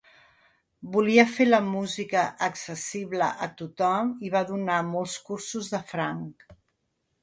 Volia fer la música accessible a tothom i va donar molts cursos de franc.